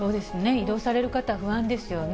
移動される方は不安ですよね。